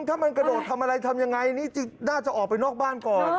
ถ้ามันกระโดดทำอะไรทำยังไงนี่น่าจะออกไปนอกบ้านก่อน